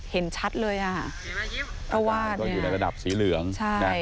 เห็นชัดเลยอ่ะเพราะว่าก็อยู่ในระดับสีเหลือง